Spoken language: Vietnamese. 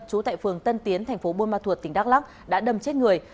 trú tại phường tân tiến thành phố buôn ma thuột tỉnh đắk lắc đã đâm chết người